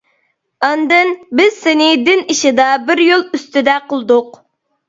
ئاندىن بىز سېنى دىن ئىشىدا بىر يول ئۈستىدە قىلدۇق.